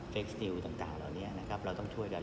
เฟคสติวต่างเราต้องช่วยกัน